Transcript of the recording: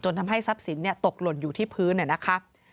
ทำให้ทรัพย์สินตกหล่นอยู่ที่พื้นนะคะ